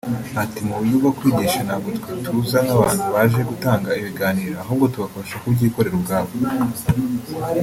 Ati” Mu buryo bwo kwigisha ntabwo twe tuza nk’abantu baje gutanga ibiganiro ahubwo tubafasha kubyikorera ubwabo